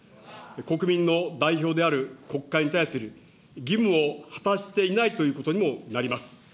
国民の代表である国会に対する義務を果たしていないということにもなります。